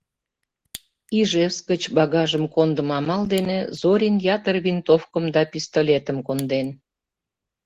Ижевск гыч багажым кондымо амал дене Зорин ятыр винтовкым да пистолетым конден.